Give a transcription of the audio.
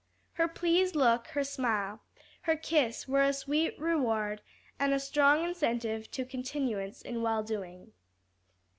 Her pleased look, her smile, her kiss were a sweet reward and a strong incentive to continuance in well doing.